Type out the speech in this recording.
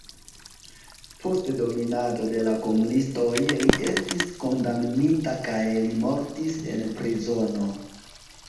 Post dominado de la komunistoj li estis kondamnita kaj li mortis en prizono.